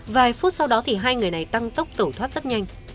vài phút sau đó thì hai người này tăng tốc tẩu thoát rất nhanh